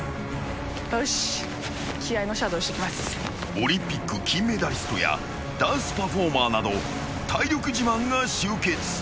［オリンピック金メダリストやダンスパフォーマーなど体力自慢が集結］